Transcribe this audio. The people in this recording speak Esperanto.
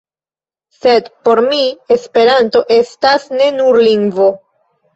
Sed por mi "Esperanto" estas ne nur lingvo.